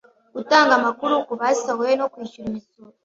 Gutanga amakuru ku basahuye no kwishyura imisoro